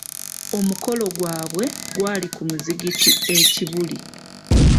Omukolo gwabwe gwali ku muzigiti e kibuli.